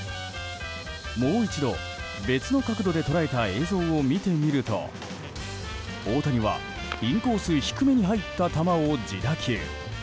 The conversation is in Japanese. もう一度、別の角度で捉えた映像を見てみると大谷は、インコース低めに入った球を自打球。